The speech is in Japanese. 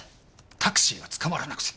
タクシーがつかまらなくて。